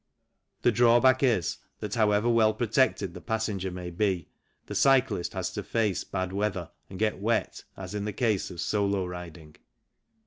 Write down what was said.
The drawback is that, however well protected the passenger may be, the cyclist has to face bad weather and get wet as in the case of solo riding.